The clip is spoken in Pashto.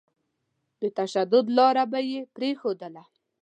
د تشدد لاره به يې پرېښودله.